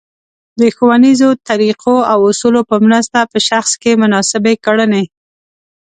د ښونیزو طریقو او اصولو په مرسته په شخص کې مناسبې کړنې